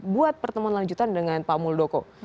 buat pertemuan lanjutan dengan pak muldoko